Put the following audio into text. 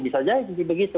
bisa saja begitu